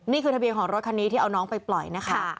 นี่คือทะเบียนของรถคันนี้ที่เอาน้องไปปล่อยนะคะ